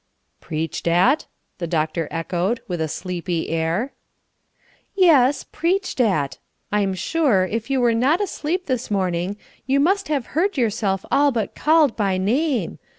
"Preached at?" the doctor echoed, with a sleepy air. "Yes, preached at. I'm sure, if you were not asleep this morning, you must have heard yourself all but called by name.